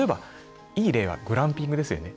例えば、グランピングですよね。